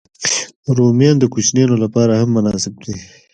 رومیان د کوچنيانو لپاره هم مناسب دي